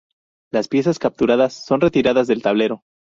Las piezas capturadas son retiradas del tablero.